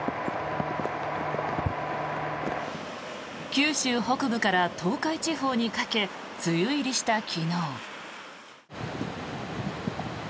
九州北部から東海地方にかけ梅雨入りした昨日。